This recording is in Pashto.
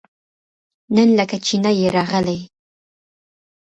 نن لکه چې نه يې راغلی؟